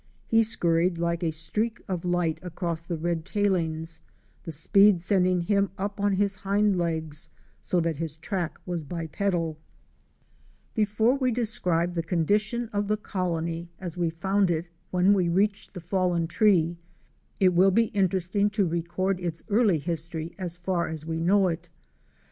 He scurried like a streak of light across the red tailings, the speed sending him up on his hind legs, so that his track was bipedal. 204 OUR SEARCH FOR A WILDERNESS. Before we describe the condition of the colony as we found it when we reached the fallen tree, it will be interesting to record its early history as far as we know it.